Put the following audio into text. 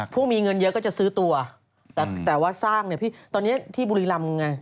ผู้มีเงินเยอะก็จะซื้อตัวแต่ว่าสร้างเนี่ยพี่ตอนนี้ที่บุรีรำไง